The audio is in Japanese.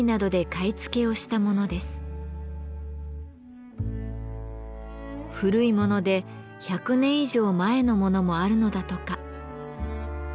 古いもので１００年以上前のものもあるのだとか。